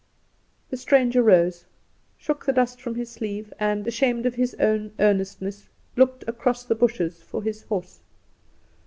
The stranger rose, shook the dust from his sleeve, and ashamed at his own earnestness, looked across the bushes for his horse.